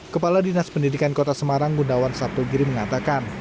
kepala dinas pendidikan kota semarang gundawan sabtugiri mengatakan